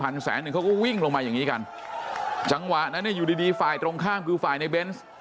ลงมาอย่างนี้กันจังหวะนั้นเนี่ยอยู่ดีฝ่ายตรงข้ามคือฝ่ายในเบนส์